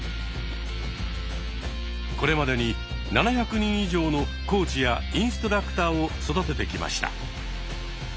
これまでに７００人以上のコーチやインストラクターを育ててきました。